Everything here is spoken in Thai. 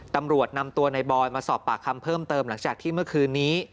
ตำรวจนำตัวในบอยมาสอบปากคำเพิ่มเติมหลังจากที่เมื่อคืนนี้